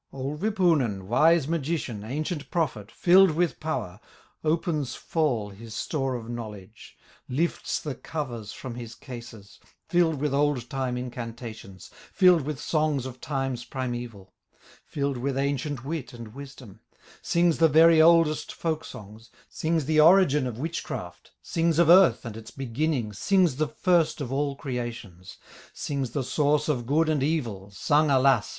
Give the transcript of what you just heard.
Old Wipunen, wise magician, Ancient prophet, filled with power, Opens full his store of knowledge, Lifts the covers from his cases, Filled with old time incantations, Filled with songs of times primeval, Filled with ancient wit and wisdom; Sings the very oldest folk songs, Sings the origin of witchcraft, Sings of Earth and its beginning, Sings the first of all creations, Sings the source of good and evil, Sung alas!